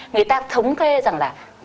người ta thống kê rằng là